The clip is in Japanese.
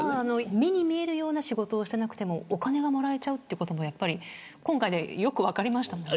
目に見えるような仕事をしてなくてもお金がもらえてしまうということも今回、よく分かりました。